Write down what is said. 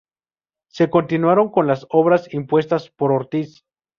Se continuaron con las obras impuestas por Ortiz.